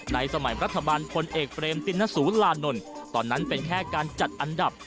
สมัยรัฐบาลพลเอกเบรมตินสุรานนท์ตอนนั้นเป็นแค่การจัดอันดับ